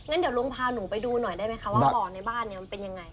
เดี๋ยวลุงพาหนูไปดูหน่อยได้ไหมคะว่าบ่อในบ้านนี้มันเป็นยังไง